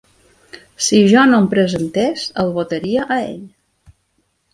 Si jo no em presentés, el votaria a ell.